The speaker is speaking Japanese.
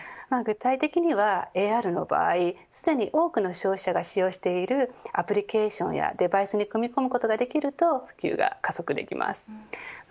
具体的にはＡＲの場合すでに多くの消費者が使用しているアプリケーションやデバイスに組み込むことができると普及が加速できます。